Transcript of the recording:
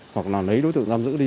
hoặc là lấy đối tượng giam giữ đi